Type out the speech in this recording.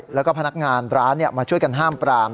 แล้วก็พนักงานร้านมาช่วยกันห้ามปราม